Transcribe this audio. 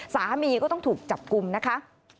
สามีก็ต้องถูกจับกลุ่มนะคะ